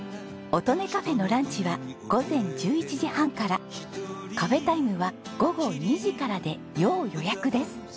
音音かふぇのランチは午前１１時半からカフェタイムは午後２時からで要予約です。